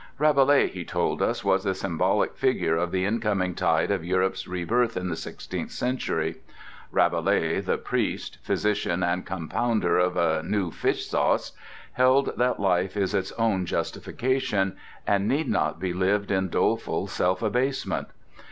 Rabelais, he told us, was the symbolic figure of the incoming tide of Europe's rebirth in the sixteenth century. Rabelais, the priest, physician, and compounder of a new fish sauce, held that life is its own justification, and need not be lived in doleful self abasement.